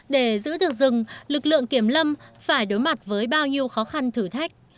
để giữ được rừng lực lượng kiểm lâm phải đối mặt với bao nhiêu khó khăn thử thách